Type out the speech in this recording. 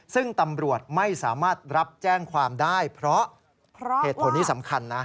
ซึ่งตำรวจไม่สามารถรับแจ้งความได้เพราะเหตุผลนี้สำคัญนะ